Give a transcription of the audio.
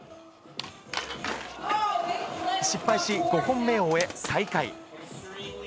失敗し、５本目を終え、最下位。